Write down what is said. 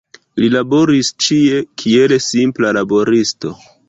Li laboris ĉie, kiel simpla laboristo.